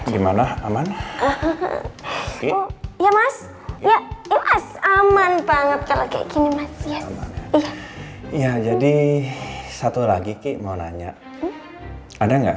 gimana aman ya mas ya iya aman banget kalau kayak gini mas ya iya jadi satu lagi ki mau nanya ada nggak